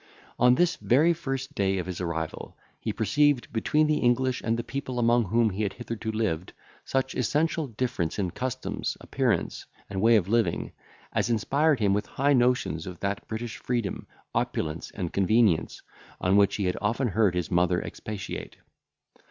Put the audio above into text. On this very first day of his arrival, he perceived between the English and the people among whom he had hitherto lived, such essential difference in customs, appearance, and way of living, as inspired him with high notions of that British freedom, opulence, and convenience, on which he had often heard his mother expatiate.